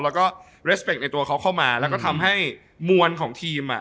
แล้วก็เรสเปคในตัวเขาเข้ามาแล้วก็ทำให้มวลของทีมอ่ะ